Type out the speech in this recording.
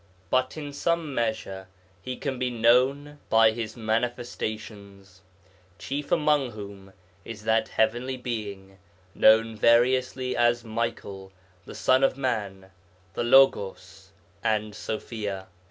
But in some measure He can be known by His Manifestations, chief among whom is that Heavenly Being known variously as Michael, the Son of man, the Logos, and Sofia.